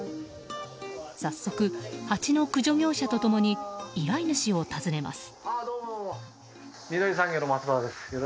早速、ハチの駆除業者と共に依頼主を訪ねます。